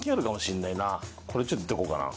これちょっと行っとこうかな。